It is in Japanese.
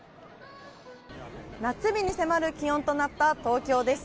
夏日に迫る気温となった東京です。